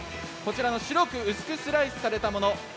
白く薄くスライスされたもの。